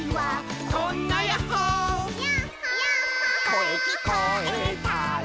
「こえきこえたら」